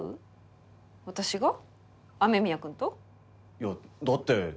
いやだって。